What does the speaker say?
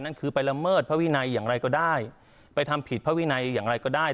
นั่นคือไปละเมิดพระวินัยอย่างไรก็ได้ไปทำผิดพระวินัยอย่างไรก็ได้